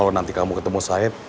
kalo nanti kamu ketemu saib